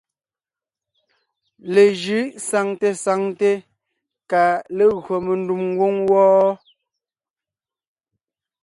Lejʉ̌ʼ saŋte saŋte kà légÿo mendùm ngwóŋ wɔ́ɔ.